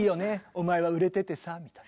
お前は売れててさ」みたいな。